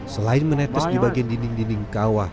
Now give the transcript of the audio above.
selain menetes di bagian dinding dinding kawah